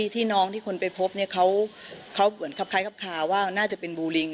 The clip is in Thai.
ที่น้องที่คนไปพบเนี่ยเขาเหมือนครับคล้ายครับคาว่าน่าจะเป็นบูลิง